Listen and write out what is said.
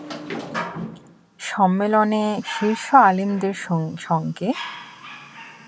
সম্মেলনে শীর্ষ আলেমদের সঙ্গে বৈঠক শেষে পরবর্তী কর্মসূচি ঘোষণা করবেন আল্লামা শফী।